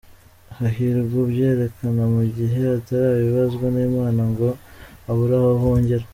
hahirwa ubyerekana mu gihe atarabibazwa n’Imana ngo abure aho ahungira.